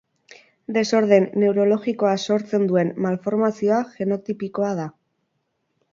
Desorden neurologikoa sortzen duen malformazio genotipikoa da.